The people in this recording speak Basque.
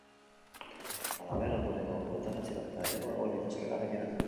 Halaber, ondorengo orduetan atxiloketa gehiago egon litezkeela gaineratu du.